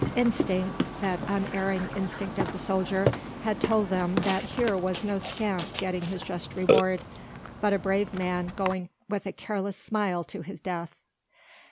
Instinct that unerring instinct of the soldier had told them that here was no scamp getting his just reward, but a brave man going with a careless smile to his death.